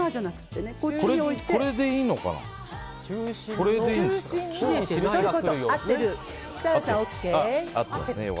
これでいいのかな。